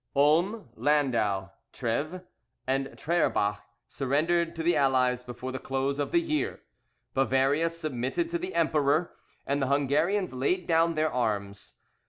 Ulm, Landau, Treves, and Traerbach surrendered to the allies before the close of the year. Bavaria submitted to the emperor, and the Hungarians laid down their arms.